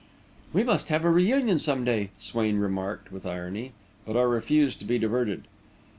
"We must have a reunion, some day," Swain remarked, with irony. But I refused to be diverted.